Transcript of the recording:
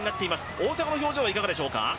大迫の表情はいかがでしょうか？